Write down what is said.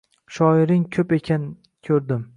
Shoiring ko’p ekan, ko’rdim